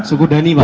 suku dhani pak